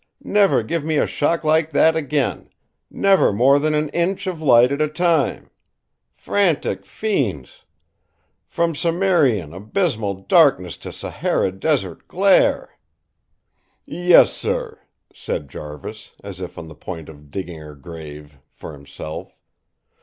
Never give me a shock like that again; never more than an inch of light at a time. Frantic fiends! From cimmerian, abysmal darkness to Sahara desert glare!" "Yes, sir," said Jarvis, as if on the point of digging a grave for himself.